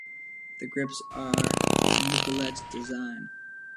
The grips are Miculek's design.